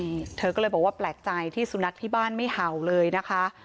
นี่เธอก็เลยบอกว่าแปลกใจที่สุนัขที่บ้านไม่เห่าเลยนะคะ